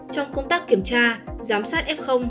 trong công tác kiểm tra giám sát f